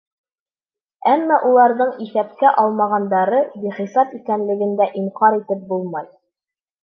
Әммә уларҙың иҫәпкә алынмағандары бихисап икәнлеген дә инҡар итеп булмай.